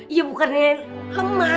iya bukan yang lemah